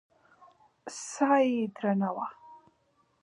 ساه يې درنه وه.